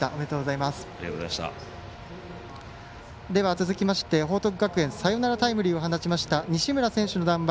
続きまして、報徳学園サヨナラタイムリーを放ちました西村選手の談話